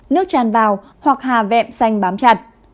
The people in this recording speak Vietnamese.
nước chan vào hoặc hà vẹm xanh bám chặt